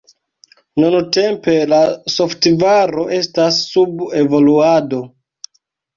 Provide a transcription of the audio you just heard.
Nuntempe la softvaro estas sub evoluado.